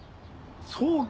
そうか。